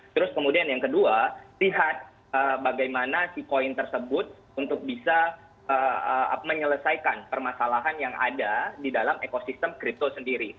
terus kemudian yang kedua lihat bagaimana si koin tersebut untuk bisa menyelesaikan permasalahan yang ada di dalam ekosistem crypto sendiri